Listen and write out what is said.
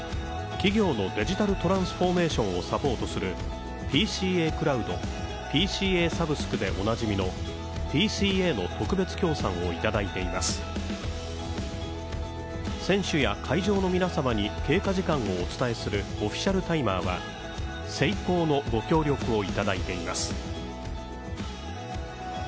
企業のデジタルトランスフォーメーションをサポートするＰＣＡクラウドＰＣＡサブスクでおなじみのＰＣＡの特別協賛をいただいています選手や会場の皆様に経過時間をお伝えするオフィシャルタイマーはＳＥＩＫＯの御協力をいただいています。